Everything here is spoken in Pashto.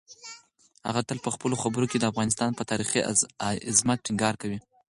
هغه تل په خپلو خبرو کې د افغانستان پر تاریخي عظمت ټینګار کوي.